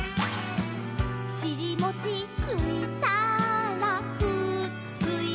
「しりもちついたらくっついた」